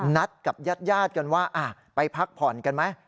นัดกับญาติกันว่าไปพักผ่อนกันไหม